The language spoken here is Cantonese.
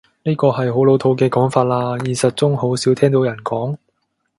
呢個係好老土嘅講法喇，現實中好少聽到人講